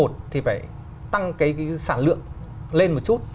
thì phải tăng sản lượng lên một chút